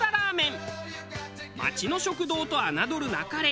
町の食堂と侮るなかれ。